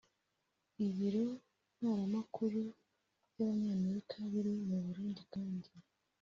Ibiro Ntaramakuru by’Abanyamerika biri mu Burundi kandi